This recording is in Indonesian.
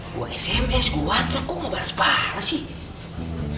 gua sms gua whatsapp kok ngabar sepala sih